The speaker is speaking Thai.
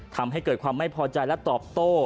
ทำให้เกิดความไม่พอใจและตอบโต้